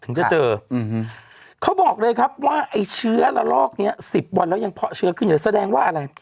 จะเจออืมเขาบอกเลยครับว่าไอ้เชื้อละลอกเนี้ยสิบวันแล้วยังเพาะเชื้อขึ้นอยู่แสดงว่าอะไร